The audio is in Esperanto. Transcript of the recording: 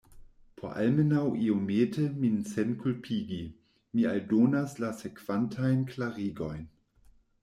Por almenaŭ iomete min senkulpigi, mi aldonas la sekvantajn klarigojn.